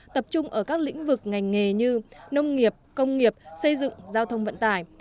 tập trung ở các lĩnh vực ngành nghề như nông nghiệp công nghiệp xây dựng giao thông vận tải